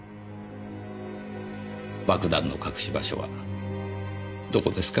爆弾の隠し場所はどこですか？